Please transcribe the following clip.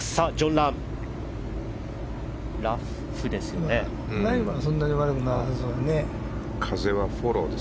ライはそんなに悪くなさそうね。